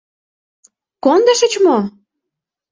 — Кондышыч мо?»